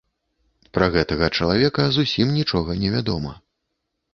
Пра гэтага чалавека зусім нічога не вядома.